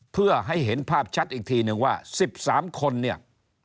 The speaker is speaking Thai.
เพื่อให้เห็นภาพชัดอีกทีนึงว่า๑๓คนเนี่ย